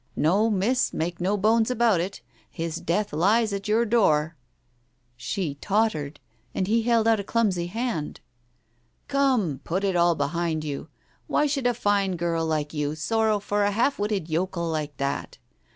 No, Miss, make no bones about it, his death lies at your door." She tottered, and he held out a clumsy hand. "Come, put it all behind you. Why should a fine girl like you sorrow for a half witted yokel like that?